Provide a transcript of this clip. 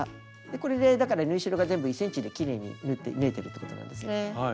これでだから縫い代が全部１ｃｍできれいに縫えてるってことなんですね。